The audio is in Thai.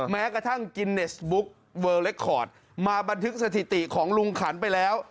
แม้กระทั่งกินเนสบุ๊กเวอร์เล็กคอร์ดมาบันทึกสถิติของลุงขันไปแล้ว